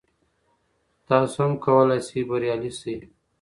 تاسو هم کولای شئ بریالي شئ.